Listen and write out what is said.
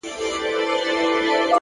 د زده کړې سفر هېڅ پای نه لري